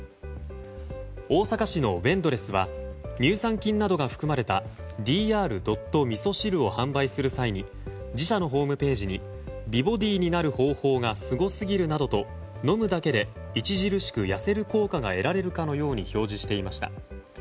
大阪市のＷ‐ＥＮＤＬＥＳＳは乳酸菌などが含まれたＤｒ．味噌汁を販売する際に自社のホームページに美ボディーになる方法がすごすぎるなどと飲むだけで著しく痩せる効果を得られるかのように表示していました。